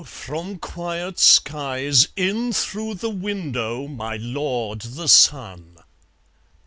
from quiet skies In through the window my Lord the Sun!